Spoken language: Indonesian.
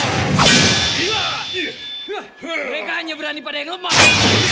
mereka hanya berani pada yang lemah